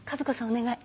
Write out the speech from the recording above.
お願い。